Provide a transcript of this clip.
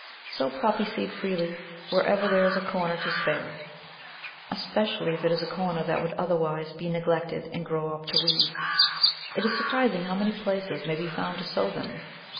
Sow Poppy seed freely wherever there is a corner to spare, especially if it is a corner that would otherwise be neglected and grow up to weeds. It is surprising how many places may be found to sow them.